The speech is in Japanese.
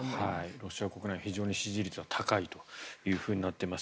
ロシア国内非常に支持率は高いとなっています。